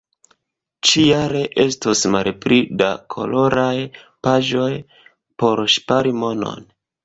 Ĉi-jare estos malpli da koloraj paĝoj por ŝpari monon.